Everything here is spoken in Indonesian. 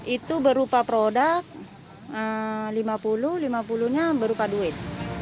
itu berupa produk lima puluh lima puluh nya berupa duit